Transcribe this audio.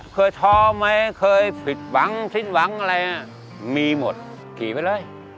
ท้อไหมเคยผิดหวังสิ้นหวังอะไรมีหมดขี่ไปเลย